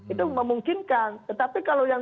itu memungkinkan tetapi kalau yang